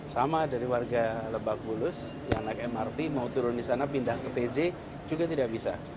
sama dari warga lebak bulus yang naik mrt mau turun di sana pindah ke tj juga tidak bisa